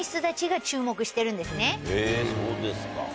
へぇそうですか。